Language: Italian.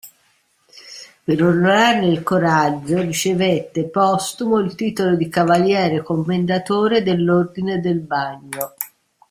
Per onorarne il coraggio ricevette, postumo, il titolo di Cavaliere Commendatore dell'Ordine del Bagno.